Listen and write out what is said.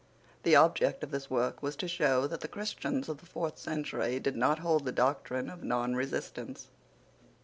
The object of this work was to show that the Christians of the fourth century did not hold the doctrine of nonresistance.